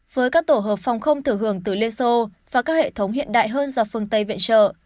với các tổ hợp phòng không thừa hưởng từ liên xô và các hệ thống hiện đại hơn do phương tây viện trợ